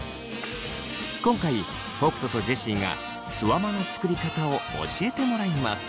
今回北斗とジェシーがすわまの作り方を教えてもらいます。